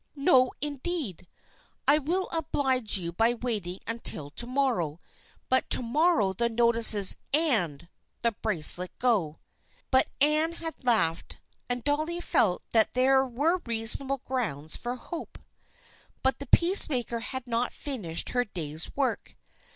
No, indeed ! I will oblige you by waiting until to morrow, but to morrow the notices and the bracelet, go !" But Anne had laughed, and Dolly felt that there were reasonable grounds for hope. But the peacemaker had not yet finished her day's work.